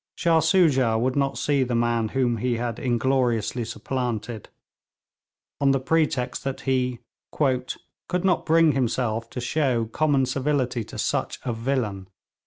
Shah Soojah would not see the man whom he had ingloriously supplanted, on the pretext that he 'could not bring himself to show common civility to such a villain.'